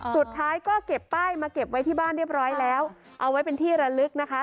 สุดท้ายก็เก็บป้ายมาเก็บไว้ที่บ้านเรียบร้อยแล้วเอาไว้เป็นที่ระลึกนะคะ